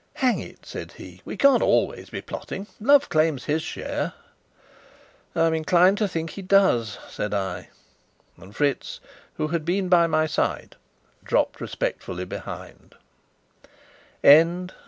"Hang it!" said he, "we can't always be plotting. Love claims his share." "I'm inclined to think he does," said I; and Fritz, who had been by my side, dropped respectfully behind.